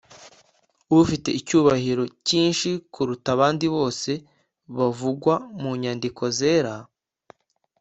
ufite icyubahiro cyinshi kuruta abandi bose bavugwa mu nyandiko zera.